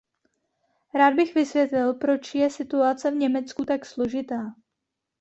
Rád bych vysvětlil, proč je situace v Německu tak složitá.